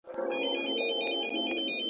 بوی د اصیل ګلاب په کار دی.